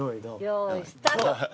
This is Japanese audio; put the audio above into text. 用意スタート！